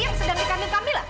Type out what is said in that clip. yang sedang ditamin kami lah